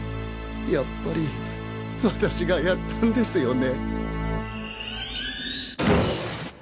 やっぱり私がやったんですよね。